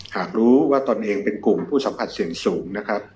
หากรู้ว่าตนเองเป็นกลุ่มผู้สัมผัสเสี่ยงสูงนะครับ